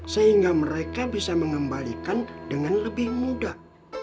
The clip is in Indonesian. sehingga mereka bisa mengembalikan dengan lebih mudah